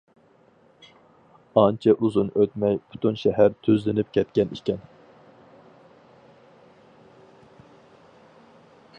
ئانچە ئۇزۇن ئۆتمەي پۈتۈن شەھەر تۈزلىنىپ كەتكەن ئىكەن.